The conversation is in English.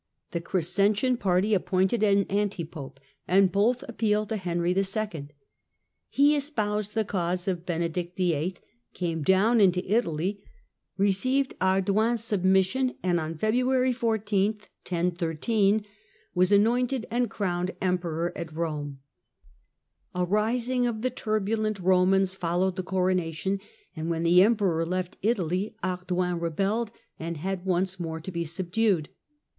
The Crescentian party appointed an anti pope, and both appealed to Henry 11. He espoused the cause of Benedict VIIT., came down into Italy, received Ardoin's submission. Second and on February 14, 1013, was anointed and crowned pedition, Emperor at Eome. A rising of the turbulent Eomansl,^^ followed the coronation, and when the Emperor left Italy crowned Ardoin rebelled and had once more to be subdued.